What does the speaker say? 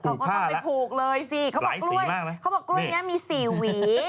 ปลูกผ้าแล้วหลายสีมากเลยเขาบอกกล้วยนี่มี๔หวี